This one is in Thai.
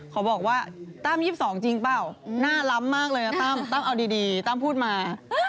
เขาบอกว่าตั้ม๒๒จริงเปล่าหน้าล้ำมากเลยนะตั้มตั้มเอาดีตั้มพูดมา